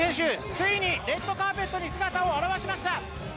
ついにレッドカーペットに姿を現しました。